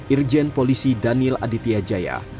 irjen polisi daniel aditya jaya